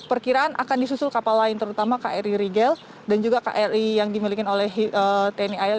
dan perkiraan akan disusun ke kapal lain terutama kri rigel dan juga kri yang dimiliki oleh tni il